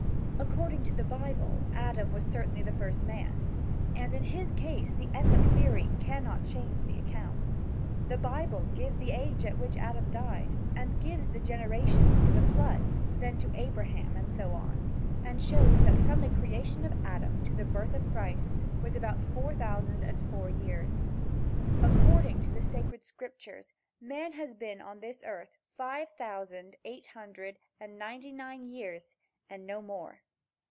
According to the Bible, Adam was certainly the first man, and in his case the epoch theory cannot change the account. The Bible gives the age at which Adam died, and gives the generations to the flood then to Abraham and so on, and shows that from the creation of Adam to the birth of Christ it was about four thousand and four years. According to the sacred Scriptures man has been on this earth five thousand eight hundred and ninety nine years and no more.